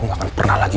lo gak akan pernah lagi